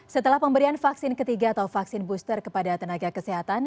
setelah pemberian vaksin ketiga atau vaksin booster kepada tenaga kesehatan